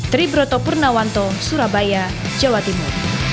teri broto purnawanto surabaya jawa timur